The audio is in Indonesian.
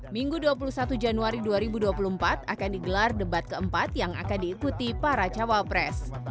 minggu dua puluh satu januari dua ribu dua puluh empat akan digelar debat keempat yang akan diikuti para cawapres